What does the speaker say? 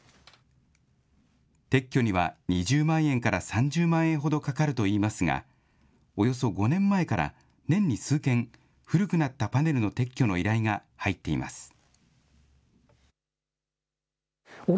撤去には２０万円から３０万円ほどかかるといいますが、およそ５年前から、年に数件、古くなったパネルの撤去の依頼が入っています。